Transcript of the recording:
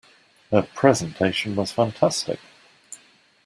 Her presentation was fantastic!